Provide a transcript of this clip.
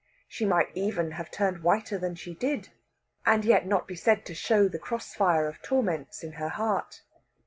She might even have turned whiter than she did, and yet not be said to show the cross fire of torments in her heart.